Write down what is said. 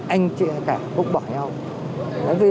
anh chị cả cũng bỏ nhau